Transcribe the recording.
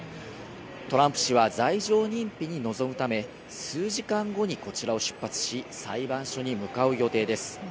トランプ氏は罪状認否に臨むため数時間後に、こちらを出発し裁判所に向かう予定です。